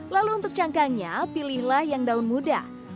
lalu untuk cangkangnya pilihlah yang daun muda